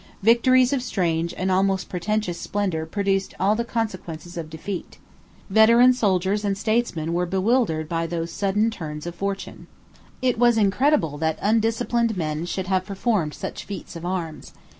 Victories of strange and almost portentous splendour produced all the consequences of defeat. Veteran soldiers and statesmen were bewildered by those sudden turns of fortune. It was incredible that undisciplined men should have performed such feats of arms.